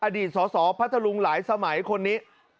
อดีตสสพัทธรุงหลายสมัยคนนี้